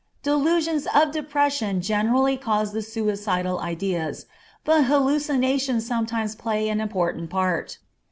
Delusions of depression generally cause the suicidal ideas, but hallucinations sometimes play an important part.